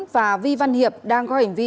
và vi văn hiệp đang có hình vi